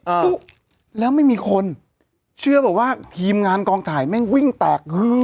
ปุ๊บแล้วไม่มีคนเชื่อบอกว่าทีมงานกองถ่ายแม่งวิ่งแตกฮือ